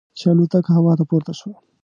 چې الوتکه هوا ته پورته شوه.